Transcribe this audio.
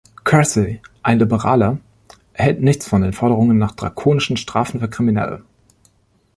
Kersey, ein Liberaler, hält nichts von den Forderungen nach drakonischen Strafen für Kriminelle.